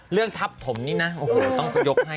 เรื่องทับผมนี่นะต้องกูยกให้